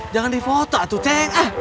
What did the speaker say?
jangan di foto tuh ceng